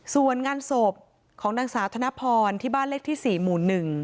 ส่วนงานศพของนางสาวธนพรที่บ้านเลขที่๔หมู่๑